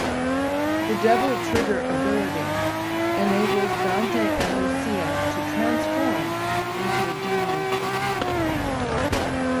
The Devil Trigger ability enables Dante and Lucia to transform into a demon form.